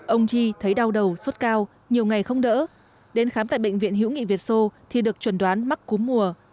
ông chi thấy đau đầu suốt cao nhiều ngày không đỡ đến khám tại bệnh viện hữu nghị việt sô thì được chuẩn đoán mắc cúm mùa